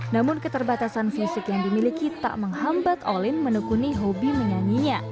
namun keterbatasan fisik yang dimiliki tak menghambat olin menekuni hobi menyanyinya